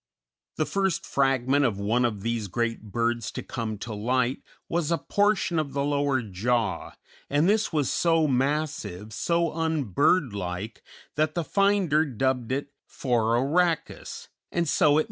The first fragment of one of these great birds to come to light was a portion of the lower jaw, and this was so massive, so un bird like, that the finder dubbed it Phororhacos, and so it must remain.